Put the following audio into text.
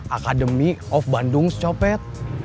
akademi of bandung copet